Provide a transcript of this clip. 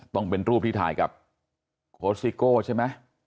ต้องเป็นรูปที่ถ่ายกับโค้ชซิโก้ใช่ไหม